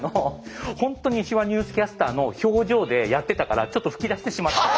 本当に手話ニュースキャスターの表情でやってたからちょっと吹き出してしまって。